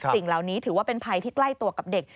สิ่งเหล่านี้ถือว่าเป็นภัยที่ใกล้ตัวกับเด็ก